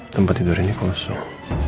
tempat tidur ini kosong